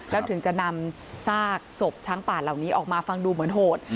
แล้วถึงจะนำซากศพช้างป่าเหล่านี้ออกมาฟังดูเหมือนโหด